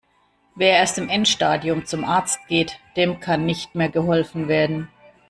Wer erst im Endstadium zum Arzt geht, dem kann nicht mehr geholfen werden.